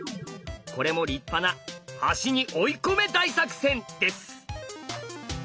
これも立派な端に追い込め大作戦です。